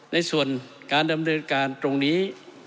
ในส่วนการดำเนินการตรงนี้